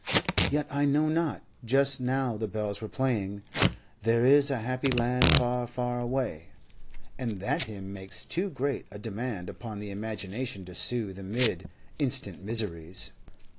Yet I know not; just now the bells were playing 'There is a happy land, far, far away,' and that hymn makes too great a demand upon the imagination to soothe amid instant miseries.